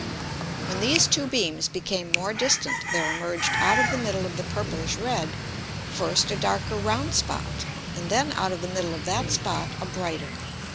When these two beams became more distant there emerged out of the middle of the purplish red, first a darker round Spot, and then out of the middle of that Spot a brighter.